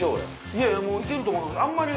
いやいやもう行けると思うあんまり。